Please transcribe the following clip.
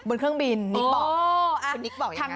บนเครื่องบินคุณนิกบอกยังไง